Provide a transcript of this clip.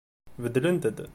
Beddlent-d.